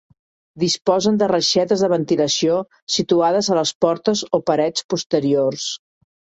Disposen de reixetes de ventilació situades a les portes o parets posteriors.